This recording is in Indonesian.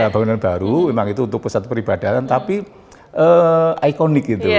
bangunan baru memang itu untuk pusat peribadatan tapi ikonik gitu